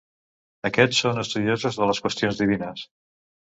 Aquests són estudiosos de les qüestions divines.